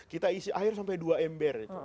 kita isi air sampai dua ember